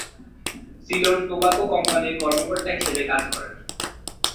Ceylon tobacco কোম্পানির কর্মকর্তা হিসেবে কাজ করেন।